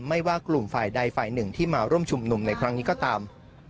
ไม่ว่ากลุ่มฝ่ายใดฝ่ายหนึ่งที่มาร่วมชุมนุมในครั้งนี้ก็ตาม